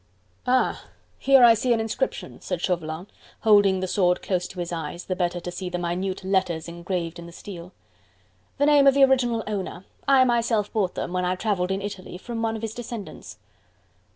"Ah! here I see an inscription," said Chauvelin, holding the sword close to his eyes, the better to see the minute letters engraved in the steel. "The name of the original owner. I myself bought them when I travelled in Italy from one of his descendants."